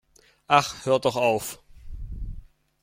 Ach, hör doch auf!